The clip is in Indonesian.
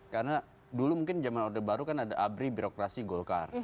karena dulu mungkin zaman order baru kan ada abri birokrasi golkar